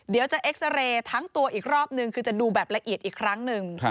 เดี๋ยวจะเอ็กซาเรย์ทั้งตัวอีกรอบนึงคือจะดูแบบละเอียดอีกครั้งหนึ่ง